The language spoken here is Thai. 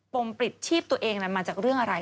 ปลิดชีพตัวเองนั้นมาจากเรื่องอะไร